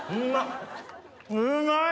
うまい！